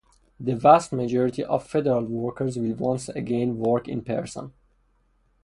The vast majority of federal workers will once again work in person.